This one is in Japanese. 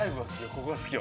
ここが好きよ